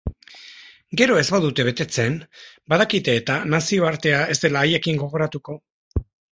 Gero ez badute betetzen, badakite-eta nazioarte ez dela haiekin gogoratuko.